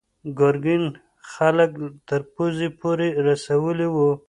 ګرګین خلک تر پوزې پورې رسولي وو.